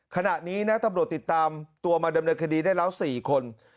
ขณะนี้นะตำรวจติดตามตัวมาดำเนินคดีได้แล้ว๔คน